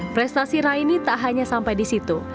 prestasi raini tak hanya sampai di situ